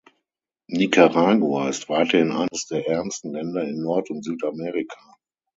Nicaragua ist weiterhin eines der ärmsten Länder in Nord- und Südamerika.